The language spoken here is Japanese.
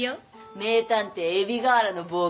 『名探偵海老河原の冒険』